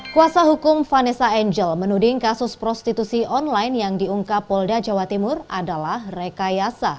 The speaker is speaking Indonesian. kuasa hukum vanessa angel menuding kasus prostitusi online yang diungkap polda jawa timur adalah rekayasa